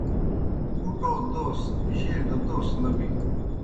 بُٹو دوس جیئے گہ دوس نہ بِینوْ